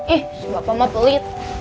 ih bapak mau beli